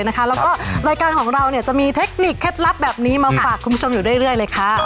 และก็รายการของเรามีเทคนิคแค้นนี้มาบักคุณผู้ชมอยู่เรื่องเลยค่ะ